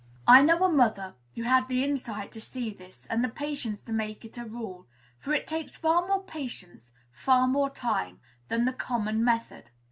I know a mother who had the insight to see this, and the patience to make it a rule; for it takes far more patience, far more time, than the common method.